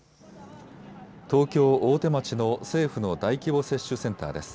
東京大手町の政府の大規模接種センターです。